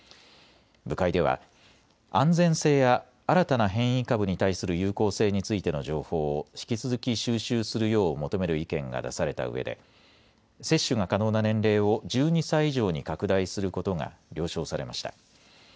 部会では安全性や新たな変異株に対する有効性についての情報を引き続き、収集するよう求める意見が出されたうえで接種が可能な年齢を１２歳以上に拡大することが了承されました。